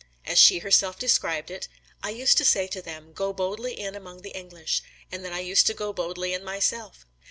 As she herself described it "I used to say to them, 'Go boldly in among the English,' and then I used to go boldly in myself."